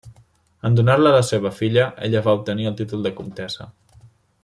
En donar-la a la seva filla, ella va obtenir el títol de comtessa.